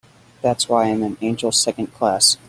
That's why I'm an angel Second Class.